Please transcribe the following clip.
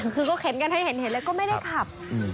คือก็เข็นกันให้เห็นเลยก็ไม่ได้ขับ